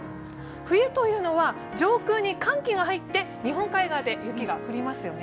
冬というのは、上空に寒気が入って日本海側で雪が降りますよね。